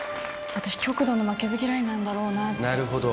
私、極度の負けず嫌いなんだなるほど。